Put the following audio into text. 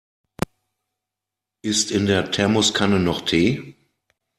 Ist in der Thermoskanne noch Tee?